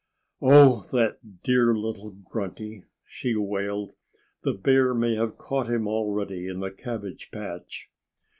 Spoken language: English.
"Oh! that dear little Grunty!" she wailed. "The bear may have caught him already, in the cabbage patch."